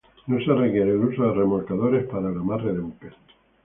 No se requiere el uso de remolcadores para el amarre de buques.